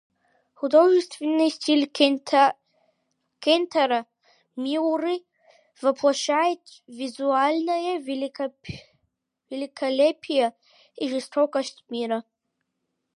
Художественный стиль Кентаро Миуры воплощает визуальное великолепие и жестокость мира.